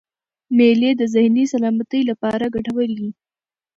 مېلې د ذهني سلامتۍ له پاره ګټوري يي.